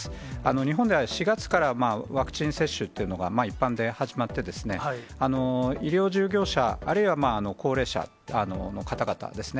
日本では４月からワクチン接種というのが一般で始まって、医療従業者、あるいは高齢者の方々ですね。